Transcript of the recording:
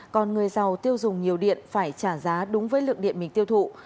còn người giàu tiêu dùng nhiều điện phải trả giá đúng với lượng điện mình tiêu thụ